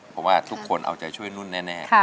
ผมว่าทุกคนเอาใจช่วยนุนแน่